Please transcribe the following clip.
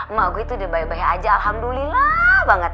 emak gue tuh udah bayi bayi aja alhamdulillah banget